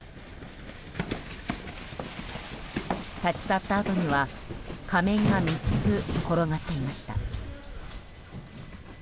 立ち去ったあとには仮面が３つ転がっていました。